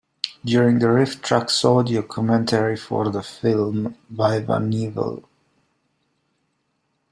During the RiffTrax audio commentary for the film Viva Knievel!